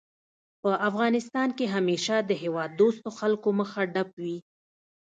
په افغانستان کې همېشه د هېواد دوستو خلکو مخه ډب وي